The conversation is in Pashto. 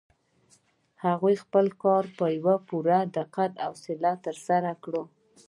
هغې خپل کار په پوره دقت او حوصله ترسره کړ.